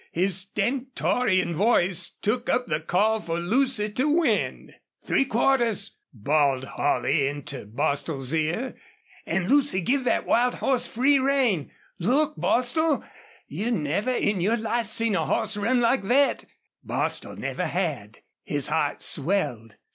His stentorian voice took up the call for Lucy to win. "Three quarters!" bowled Holley into Bostil's ear. "An' Lucy's give thet wild hoss free rein! Look, Bostil! You never in your life seen a hoss ran like thet!" Bostil never had. His heart swelled.